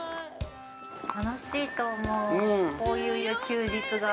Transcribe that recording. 楽しいと思う、こういう休日が。